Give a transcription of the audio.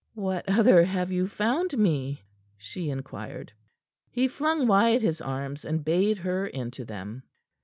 "What other have you found me?" she inquired. He flung wide his arms, and bade her into them.